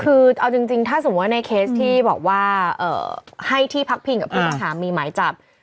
คือเอาจริงถ้าสมมุติในเคสที่บอกว่าให้ที่พักพิงกับผู้ต้องหามีหมายจับ